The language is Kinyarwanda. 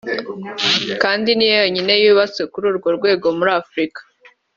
kandi ni yo yonyine yubatse kuri uru rwego muri Afurika